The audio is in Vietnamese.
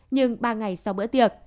nhưng ba ngày sau bữa tiệc